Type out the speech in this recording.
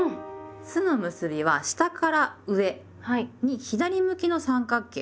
「す」の結びは下から上に左向きの三角形。